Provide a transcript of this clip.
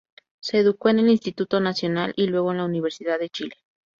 Se educó en el Instituto Nacional y luego en la Universidad de Chile.